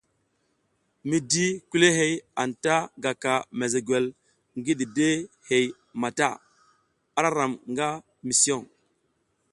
Mi di kulihey anta gaka mesegwel ngi didehey mata, ara ram nga mison.